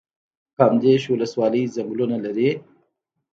کامدیش ولسوالۍ ځنګلونه لري؟